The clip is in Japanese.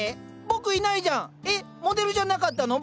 僕いないじゃん。えっモデルじゃなかったの？